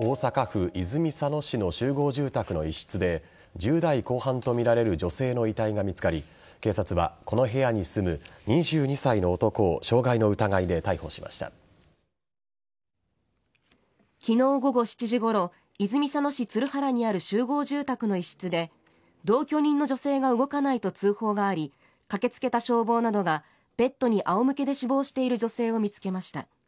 大阪府泉佐野市の集合住宅の一室で１０代後半とみられる女性の遺体が見つかり警察はこの部屋に住む２２歳の男を昨日午後７時ごろ泉佐野市鶴原にある集合住宅の一室で同居人の女性が動かないと通報があり駆けつけた消防などがベッドに仰向けで死亡している女性を見つけました。